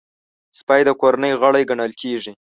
سپي د کورنۍ غړی ګڼل کېږي.